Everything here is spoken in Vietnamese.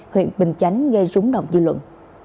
huyện bình chánh gây rúng động dư luận